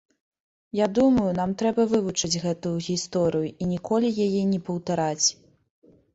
Я думаю, нам трэба вывучыць гэтую гісторыю і ніколі яе не паўтараць.